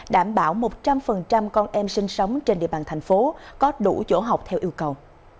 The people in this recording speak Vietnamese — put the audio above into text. đảm bảo một trăm linh con em sinh sống trên địa bàn thành phố có đủ chỗ học theo yêu cầu